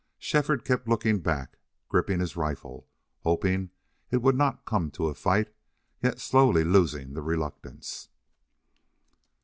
Shefford kept looking back, gripping his rifle, hoping it would not come to a fight, yet slowly losing that reluctance.